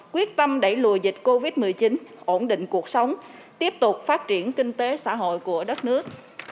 quyết tâm đẩy lùi dịch covid một mươi chín ổn định cuộc sống tiếp tục phát triển kinh tế xã hội của đất nước